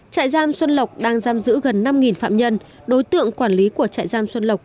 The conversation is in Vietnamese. trại giam xuân lộc đang giam giữ gần năm phạm nhân đối tượng quản lý của trại giam xuân lộc